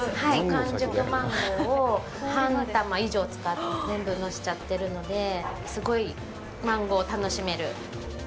完熟マンゴーを半玉以上使って、全部載せちゃってるので、すごいマンゴーを楽しめる。